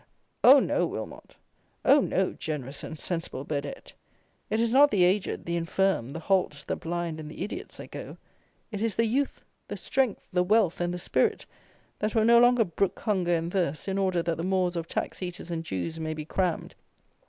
Oh! no, Wilmot! Oh! no, generous and sensible Burdett, it is not the aged, the infirm, the halt, the blind, and the idiots that go: it is the youth, the strength, the wealth, and the spirit, that will no longer brook hunger and thirst in order that the maws of tax eaters and Jews may be crammed.